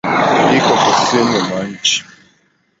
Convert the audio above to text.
Iko kusini mwa nchi.